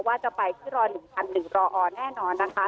ว่าจะไปที่รอ๑๑รออแน่นอนนะคะ